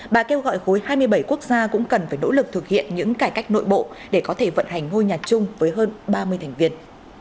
bà kêu gọi khối hai mươi bảy quốc gia cũng cần phải nỗ lực thực hiện những cải cách nội bộ để có thể vận hành ngôi nhà chung với hơn ba mươi thành viên